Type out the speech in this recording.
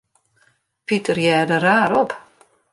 Piter hearde raar op.